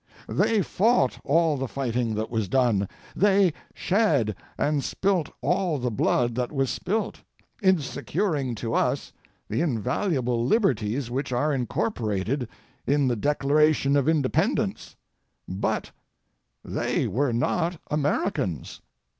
They fought all the fighting that was done, they shed and spilt all the blood that was spilt, in securing to us the invaluable liberties which are incorporated in the Declaration of Independence; but they were not Americans.